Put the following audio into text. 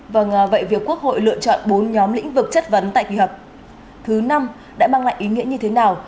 vâng vậy việc quốc hội lựa chọn bốn nhóm lĩnh vực chất vấn tại kỳ họp thứ năm đã mang lại ý nghĩa như thế nào